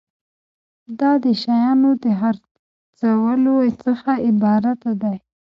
دا د شیانو د خرڅولو څخه عبارت دی.